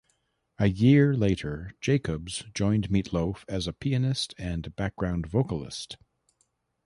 A year later, Jacobs joined Meat Loaf as a pianist and background vocalist.